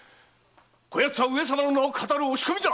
こやつは上様の名を騙る押し込みだ！